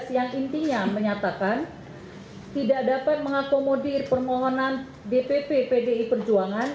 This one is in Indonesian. yang intinya menyatakan tidak dapat mengakomodir permohonan dpp pdi perjuangan